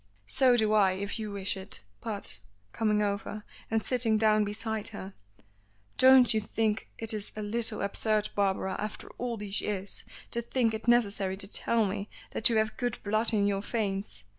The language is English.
"So do I if you wish it. But " coming over and sitting down beside her, "don't you think it is a little absurd, Barbara, after all these years, to think it necessary to tell me that you have good blood in your veins?